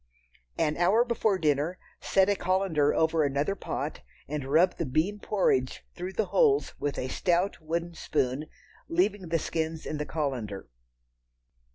An hour before dinner, set a colander over another pot and rub the bean porridge through the holes with a stout wooden spoon, leaving the skins in the colander.